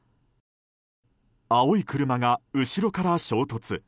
青い車が後ろから衝突。